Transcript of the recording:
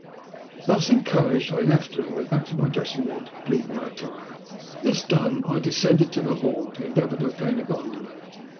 Thus encouraged, I left her, and went back to my dressing room to complete my attire. This done I descended to the hall to endeavour to obtain a gondola.